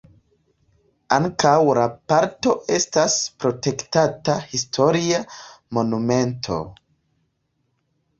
Ankaŭ la parko estas protektata historia monumento.